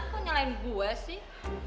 kok nyalain gue sih